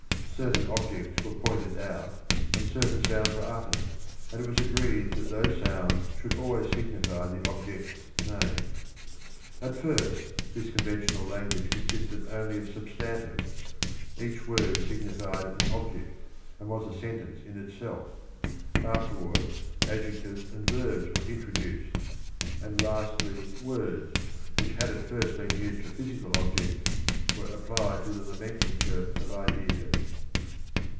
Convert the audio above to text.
Certain objects were pointed out, and certain sounds were uttered, and it was agreed that those sounds should always signify the objects named. At first this conventional language consisted only of substantives; each word signified an object, and was a sentence in itself. Afterwards adjectives and verbs were introduced; and lastly words, which had at first been used for physical objects, were applied to the nomenclature of ideas.